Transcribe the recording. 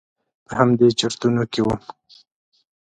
په همدې چرتونو کې وم.